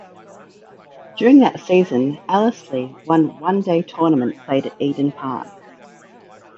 During that season Ellerslie won One Day-tournament played at Eden Park.